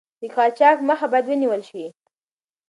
د قاچاق مخه باید ونیول شي.